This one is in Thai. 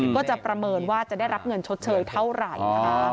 ก็จะประเมินว่าจะได้รับเงินชดเชยเท่าไหร่นะคะ